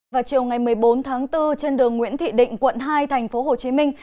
vào chiều ngày một mươi bốn tháng bốn trên đường nguyễn thị định quận hai thành phố hồ chí minh